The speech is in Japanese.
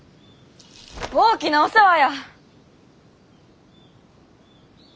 大きなお世話や！